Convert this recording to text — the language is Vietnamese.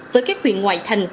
với các huyện ngoại thành